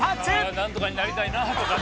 あ何とかになりたいなとかさ